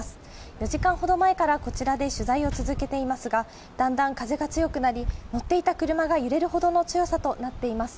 ４時間ほど前からこちらで取材を続けていますが、だんだん風が強くなり、乗っていた車が揺れるほどの強さとなっています。